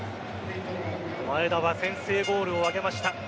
前田は先制ゴールを挙げました。